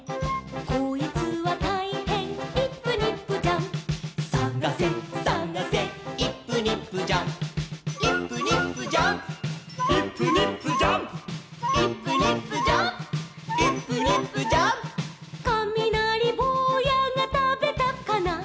「こいつはたいへんイップニップジャンプ」「さがせさがせイップニップジャンプ」「イップニップジャンプイップニップジャンプ」「イップニップジャンプイップニップジャンプ」「かみなりぼうやがたべたかな」